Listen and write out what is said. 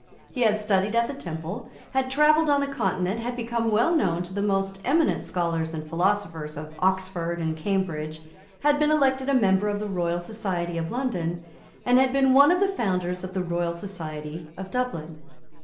He had studied at the Temple, had travelled on the Continent, had become well known to the most eminent scholars and philosophers of Oxford and Cambridge, had been elected a member of the Royal Society of London, and had been one of the founders of the Royal Society of Dublin.